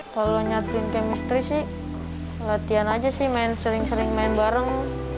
kalau nyatuin chemistry sih latihan aja sih main sering sering main bareng